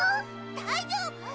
大丈夫！